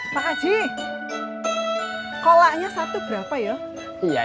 mak asji nggak peduli yang gitu ya